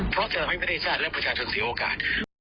เพราะจะทำให้ประเทศชาติและประชาชนเสียโอกาส